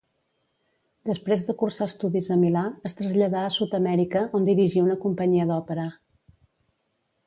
Després de cursar estudis a Milà, es traslladà a Sud-amèrica, on dirigí una companyia d'òpera.